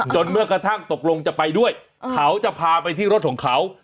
เมื่อกระทั่งตกลงจะไปด้วยเขาจะพาไปที่รถของเขา